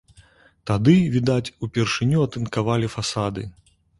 Тады, відаць, упершыню атынкавалі фасады.